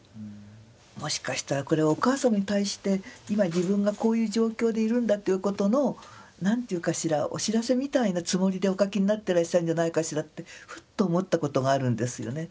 もしかしたらこれはお母さまに対して今自分がこういう状況でいるんだっていうことの何ていうかしらお知らせみたいなつもりでお書きになってらっしゃるんじゃないかしらってふっと思ったことがあるんですよね。